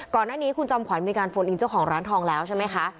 ก่อนหน้านี้คุณจอมขวัญมีการโฟนอิงเจ้าของร้านทองแล้วใช่ไหมคะ